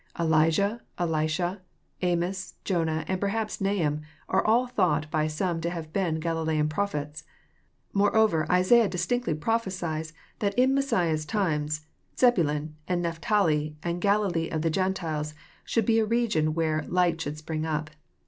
Elijah, Elisha, Amos, Jonah, and perhaps Nahum, are all thought by some to have been Galilean prophets. Moreover iHaiah distinctly prophesied that in Messiah's times, Zebulon and Nepthali and Galilee of the Gentiles should be a region where " light should spring up."